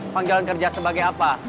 panggilan kerja sebagai apa